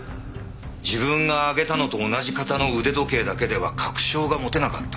自分があげたのと同じ型の腕時計だけでは確証が持てなかった。